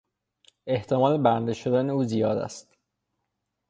احتمال برنده شدن او زیاد است.